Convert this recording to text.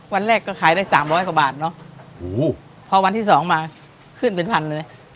วันแรกก็ขายได้สามร้อยกว่าบาทเนอะโอ้โหพอวันที่สองมาขึ้นเป็นพันเลย